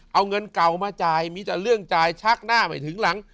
เอาเงินเก่ามาจ่ายมีแต่เรื่องจ่ายชักหน้าไม่ถึงหลัง